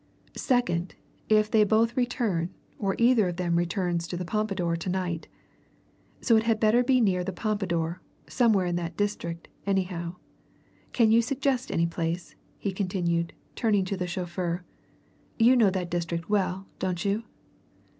Second, if they both return, or either of them returns to the Pompadour to night. So it had better be near the Pompadour somewhere in that district, anyhow. Can you suggest any place?" he continued, turning to the chauffeur. "You know that district well, don't you?"